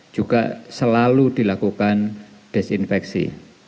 juga selalu dilakukan desinfeksi